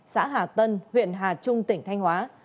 xã hà tân huyện hà trung tỉnh thanh hóa